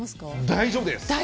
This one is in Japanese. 大丈夫です。